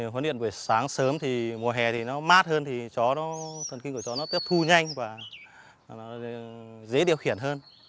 huấn luyện buổi sáng sớm thì mùa hè thì nó mát hơn thì nó thần kinh của cháu nó tiếp thu nhanh và dễ điều khiển hơn